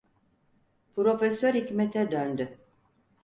Profesör Hikmet’e döndü: